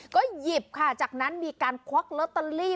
ก็หยิบค่ะจากนั้นมีการควักลอตเตอรี่